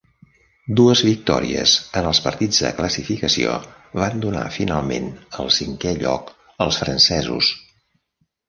Dues victòries en els partits de classificació van donar finalment el cinquè lloc als francesos.